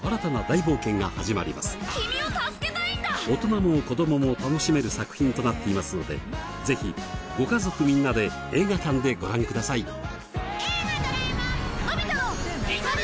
大人も子どもも楽しめる作品となっていますのでぜひご家族みんなで映画館でご覧ください。